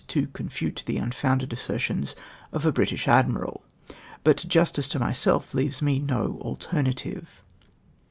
77 to confute the uiifoiiiided assertions of a British admiral, but justice to myself leaves me no alternative.